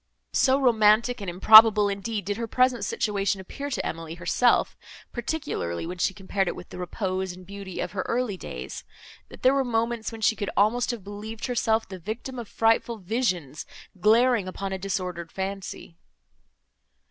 So romantic and improbable, indeed, did her present situation appear to Emily herself, particularly when she compared it with the repose and beauty of her early days, that there were moments, when she could almost have believed herself the victim of frightful visions, glaring upon a disordered fancy.